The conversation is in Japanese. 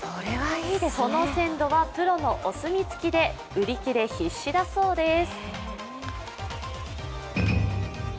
その鮮度はプロのお墨付きで売り切れ必至だそうです。